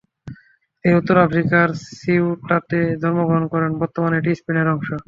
তিনি উত্তর আফ্রিকার সিউটাতে জন্মগ্রহণ করেন; বর্তমানে এটি স্পেনের অংশ।